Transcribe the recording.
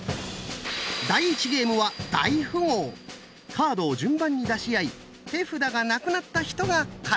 カードを順番に出し合い手札がなくなった人が勝ち！